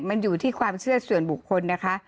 มันอยู่ที่ความเชื่อส่วนบุคคลนะคะ